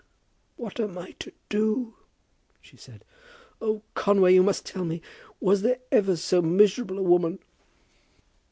"What am I to do?" she said. "Oh, Conway; you must tell me. Was there ever so miserable a woman!